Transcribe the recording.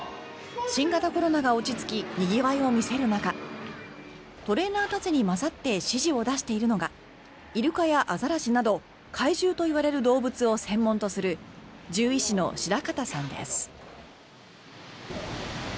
新型コロナが落ち着きにぎわいを見せる中トレーナーたちに交ざって指示を出しているのがイルカやアザラシなど海獣といわれる動物を専門とする獣医師の白形さんです。